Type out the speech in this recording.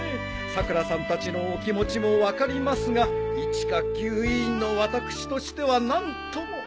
さくらさんたちのお気持ちも分かりますが一学級委員の私としては何とも。